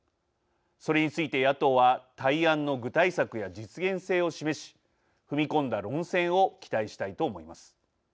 それについて野党は対案の具体策や実現性を示し踏み込んだ論戦を期待したいと思います。